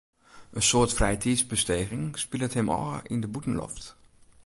In soad frijetiidsbesteging spilet him ôf yn de bûtenloft.